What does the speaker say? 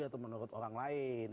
atau menurut orang lain